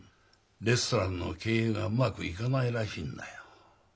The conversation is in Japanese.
レストランの経営がうまくいかないらしいんだよ。